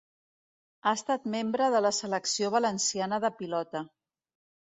Ha estat membre de la Selecció Valenciana de Pilota.